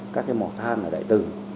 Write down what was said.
các cái mỏ than ở đại tử